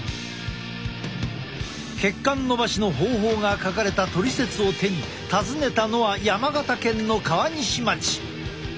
血管のばしの方法が書かれたトリセツを手に訪ねたのは山形県の川西町。